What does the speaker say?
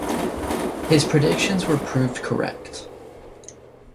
His predictions were proved correct.